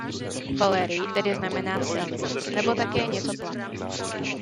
Valerij tedy znamená „silný“ nebo také „něco platný“.